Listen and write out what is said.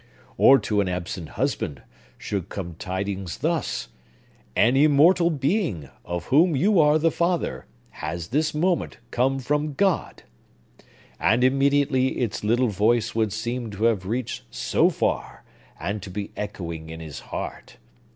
Or, to an absent husband, should come tidings thus 'An immortal being, of whom you are the father, has this moment come from God!' and immediately its little voice would seem to have reached so far, and to be echoing in his heart.